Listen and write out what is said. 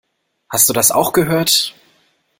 Hast du das auch gehört?